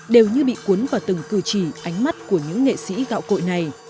đều như bị cuốn vào từng cử chỉ ánh mắt của những nghệ sĩ gạo cội này